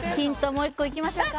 もう一個いきましょうか？